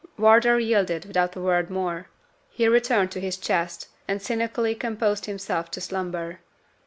Wardour yielded without a word more. He returned to his chest, and cynically composed himself to slumber.